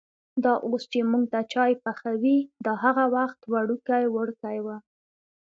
دا اوس چې مونږ ته چای پخوي، دا هغه وخت وړوکی وړکی و.